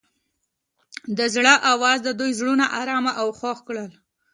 د زړه اواز د دوی زړونه ارامه او خوښ کړل.